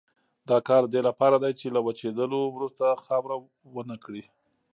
دا کار د دې لپاره دی چې له وچېدلو وروسته خاوره ونه کړي.